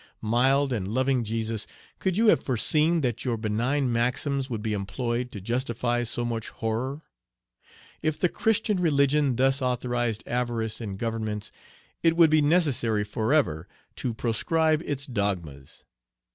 "Mild and loving Jesus! could you have foreseen that your benign maxims would be employed to justify so much horror? If the Christian religion thus authorized avarice in Governments, it would be necessary forever to proscribe its dogmas.